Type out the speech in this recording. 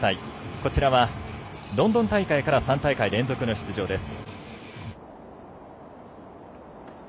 こちらはロンドン大会から３大会連続の出場です。